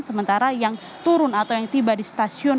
sementara yang turun atau yang tiba di stasiun